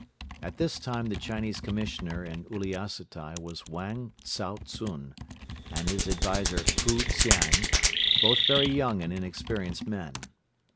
At this time the Chinese Commissioner in Uliassutai was Wang Tsao tsun and his advisor, Fu Hsiang, both very young and inexperienced men.